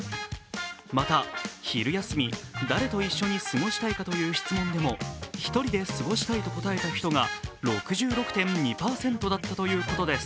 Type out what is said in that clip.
また昼休み誰と一緒に過ごしたいかという質問でも、一人で過ごしたいと答えた人が６６．２％だったということです。